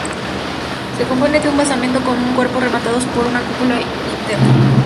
Se compone de un basamento con un cuerpo, rematados por una cúpula y linterna.